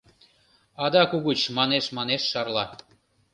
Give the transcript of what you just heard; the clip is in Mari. Адак угыч манеш-манеш шарла.